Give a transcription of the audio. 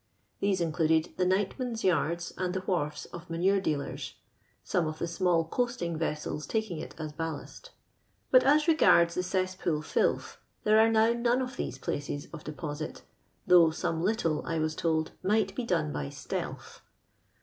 These included the nightmen's yards and the wharves of manure dealers (some of the small coasting vessels taking it as ballast) ; but as regards the cess pool filth, there are now none of these places of deposit, though some litUe, I was told, might be done by stealth.